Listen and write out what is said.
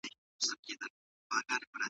ښوونځی یو مهم ټولنیز نهاد دی.